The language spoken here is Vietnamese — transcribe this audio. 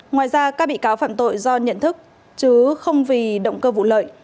ngoài ra các bị cáo phạm tội do nhận thức chứ không vì động cơ vụ lợi